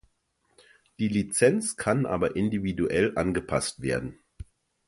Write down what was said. Die Lizenz kann aber individuell angepasst werden.